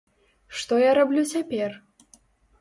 Што я раблю цяпер?